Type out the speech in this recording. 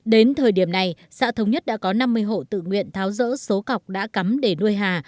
đến thời điểm này xã thống nhất đã có năm mươi hộ tự nguyện tháo rỡ số cọc đã cắm để nuôi hà